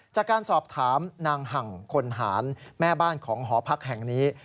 จากการสอบถามนางหั่งคนหารแม่บ้านของหอพักแห่งนี้